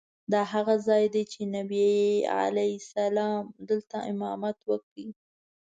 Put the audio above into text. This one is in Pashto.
دا هغه ځای دی چې نبي علیه السلام دلته امامت وکړ.